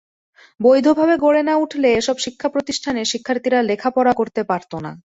বৈধভাবে গড়ে না উঠলে এসব শিক্ষাপ্রতিষ্ঠানে শিক্ষার্থীরা লেখাপড়া করতে পারত না।